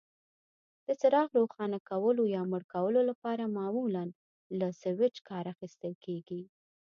د څراغ روښانه کولو یا مړ کولو لپاره معمولا له سویچ کار اخیستل کېږي.